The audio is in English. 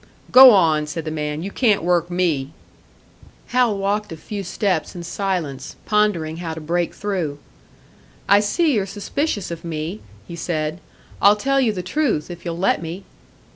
"Go on!" said the man. "You can't work me!" Hal walked a few steps in silence, pondering how to break through. "I see you're suspicious of me," he said. "I'll tell you the truth, if you'll let me."